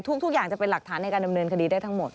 ทุกอย่างจะเป็นหลักฐานในการดำเนินคดีได้ทั้งหมด